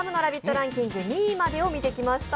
ランキング２位まで見てきました。